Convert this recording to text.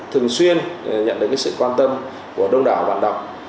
thường xuyên nhận được sự quan tâm của đông đảo bạn đọc